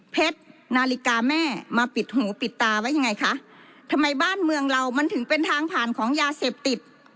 นาฬิกาแม่มาปิดหูปิดตาไว้ยังไงคะทำไมบ้านเมืองเรามันถึงเป็นทางผ่านของยาเสพติด